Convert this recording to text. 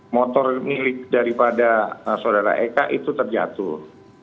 motor milik daripada saudara eka itu terjatuh